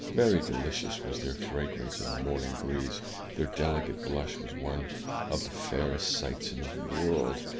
Very delicious was their fragrance in the morn ing breeze. Their delicate blush was one of the fairest sights in the world.